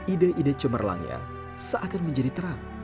ide ide cemerlangnya seakan menjadi terang